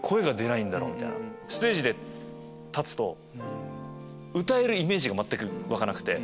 ステージ立つと歌えるイメージが全く湧かなくて。